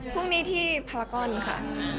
พรุ่งนี้ที่พารากอนค่ะ